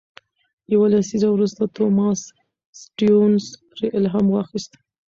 یو لسیزه وروسته توماس سټيونز پرې الهام واخیست.